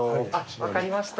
分かりました。